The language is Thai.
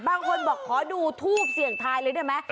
บางคนบอกขอดูทูบเสียงไทยเลยด้วยมั้ย